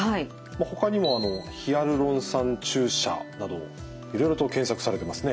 ほかにも「ヒアルロン酸注射」などいろいろと検索されてますね。